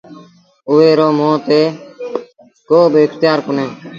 اُئي رو موٚنٚ تي ڪو با اکتيآر ڪونهي۔